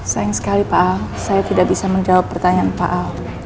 sayang sekali pak a saya tidak bisa menjawab pertanyaan pak a